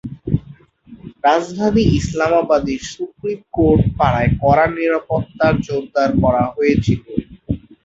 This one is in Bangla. রাজধানী ইসলামাবাদের সুপ্রীম কোর্ট পাড়ায় কড়া নিরাপত্তা জোরদার করা হয়েছিল।